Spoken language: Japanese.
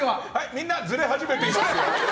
みんな、ずれ始めています。